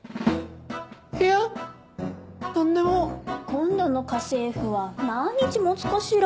今度の家政婦は何日持つかしら？